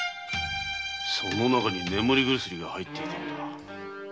その中に眠り薬が入っていたのだ。